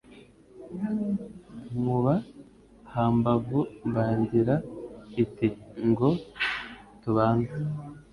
Nkuba hambavu Mbangira iti : ngo tubanze